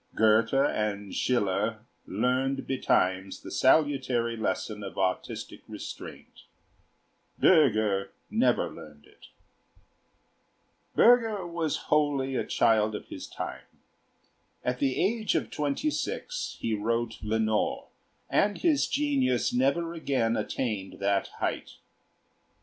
Goethe and Schiller learned betimes the salutary lesson of artistic restraint. Bürger never learned it. [Illustration: GOTTFRIED A. BÜRGER] Bürger was wholly a child of his time. At the age of twenty six he wrote 'Lenore,' and his genius never again attained that height.